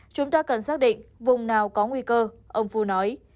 chúng ta cần xác định vùng nào có nguy cơ ông phu nói